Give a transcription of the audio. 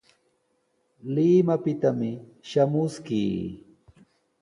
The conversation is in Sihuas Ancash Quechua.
Limapitami shamuskii.